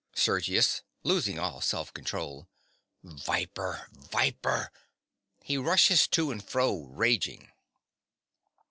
SERGIUS. (losing all self control). Viper! Viper! (_He rushes to and fro, raging.